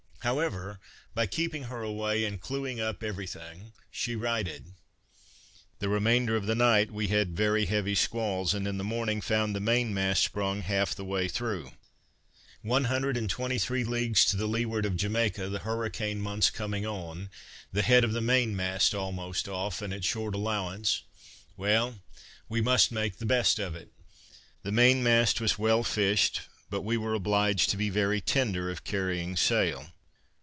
However, by keeping her away, and clewing up every thing, she righted. The remainder of the night we had very heavy squalls, and in the morning found the mainmast sprung half the way through: one hundred and twenty three leagues to the leeward of Jamaica, the hurricane months coming on, the head of the mainmast almost off, and at short allowance; well, we must make the best of it. The mainmast was well fished, but we were obliged to be very tender of carrying sail.